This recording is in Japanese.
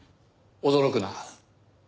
驚くな。